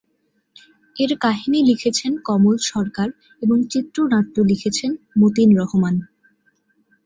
এর কাহিনী লিখেছেন কমল সরকার এবং চিত্রনাট্য লিখেছেন মতিন রহমান।